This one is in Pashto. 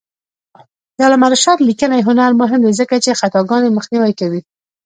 د علامه رشاد لیکنی هنر مهم دی ځکه چې خطاګانې مخنیوی کوي.